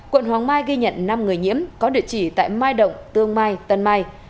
quận hoàng mai ghi nhận năm người nhiễm có địa chỉ tại mai động tương mai tân mai